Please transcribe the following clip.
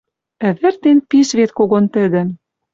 Ӹвӹртен пиш вет когон тӹдӹм.